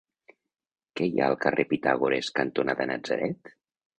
Què hi ha al carrer Pitàgores cantonada Natzaret?